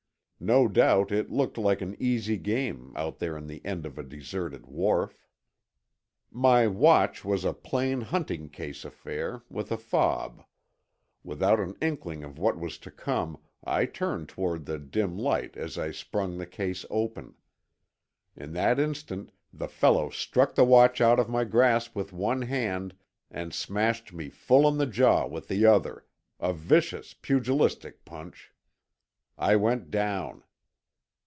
No doubt it looked like an easy game, out there on the end of a deserted wharf. My watch was a plain hunting case affair, with a fob. Without an inkling of what was to come I turned toward the dim light as I sprung the case open. In that instant the fellow struck the watch out of my grasp with one hand, and smashed me full on the jaw with the other—a vicious, pugilistic punch. I went down.